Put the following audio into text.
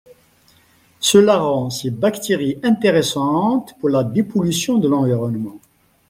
Cela rend ces bactéries intéressantes pour la dépollution de l'environnement.